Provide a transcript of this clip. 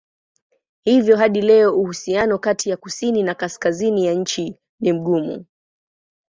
Hivyo hadi leo uhusiano kati ya kusini na kaskazini ya nchi ni mgumu.